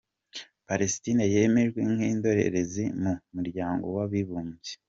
Palestine yemejwe nk’indorerezi mu Muryango w’Abibumbye